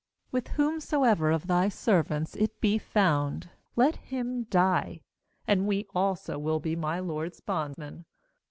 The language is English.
9With whomsoever of thy servants it be found, let him die, and we also will be my lord's bondmen.'